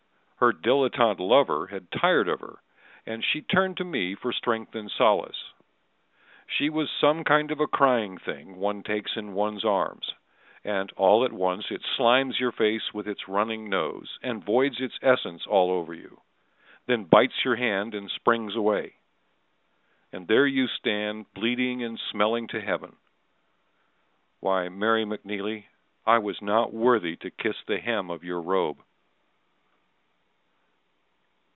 Her dilettante lover had tired of her, And she turned to me for strength and solace. She was some kind of a crying thing One takes in one's arms, and all at once It slimes your face with its running nose, And voids its essence all over you; Then bites your hand and springs away. And there you stand bleeding and smelling to heaven Why, Mary McNeely, I was not worthy To kiss the hem of your robe!